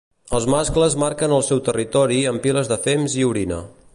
Els mascles marquen el seu territori amb piles de fems i orina.